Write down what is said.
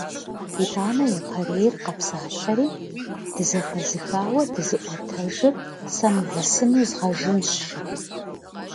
Итӏанэ япэрейр къэпсалъэри: - Дызэхэзыхауэ дызыӏуэтэжыр сэ мывэ сыну згъэжынщ!- жи.